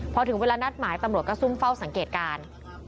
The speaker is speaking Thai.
พอถึงเวลานัดหมายตำรวจก็ซุ่มเฝ้าสังเกตการ